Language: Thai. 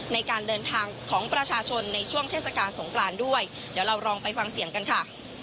ในการเดินทางของประชาชนในช่วงเทศกาลสงกรานด้วยเดี๋ยวเราลองไปฟังเสียงกันค่ะ